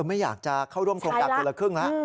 ไม่อยากจะเข้าร่วมโครงการคนละครึ่งแล้ว